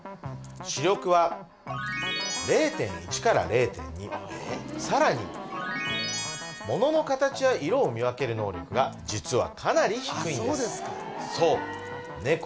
視力は０．１から０．２さらにものの形や色を見分ける能力が実はかなり低いんです